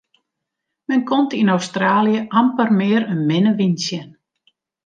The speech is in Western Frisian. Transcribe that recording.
Men komt yn Australië amper mear in minne wyn tsjin.